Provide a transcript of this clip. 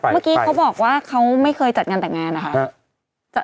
เมื่อกี้เขาบอกว่าเขาไม่เคยจัดงานแต่งงานนะคะ